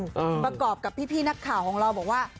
หลังจากกับพี่พี้นักข่าวของเราบอกว่า